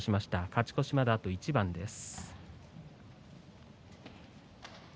勝ち越しまで、あと一番です。